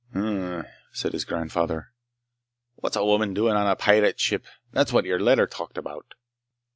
"Hm m m!" said his grandfather. "What's a woman doing on a pirate ship? That's what your letter talked about!"